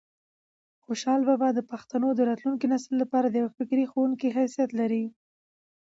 خوشحال بابا د پښتنو د راتلونکي نسل لپاره د یو فکري ښوونکي حیثیت لري.